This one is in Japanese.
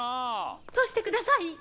通してください！